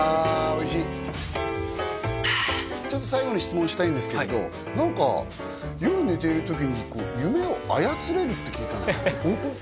おいしいあちょっと最後に質問したいんですけれど何か夜寝ている時にこう夢を操れるって聞いたんだけどホント？